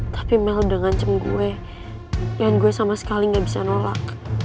tapi mel dengan cem gue yang gue sama sekali gak bisa nolak